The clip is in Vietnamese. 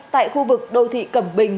tại khu vực đô thị cẩm bình